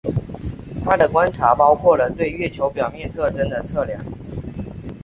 他的观察包括了对月球表面特征的测量。